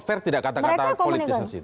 fair tidak kata kata politikasi